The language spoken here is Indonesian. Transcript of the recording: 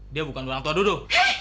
dia bukan orang tua duduk